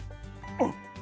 うん